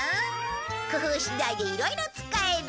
工夫次第でいろいろ使える。